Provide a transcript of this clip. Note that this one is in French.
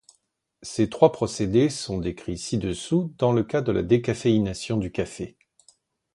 Ces trois procédés sont décrits ci-dessous dans le cas de la décaféination du café.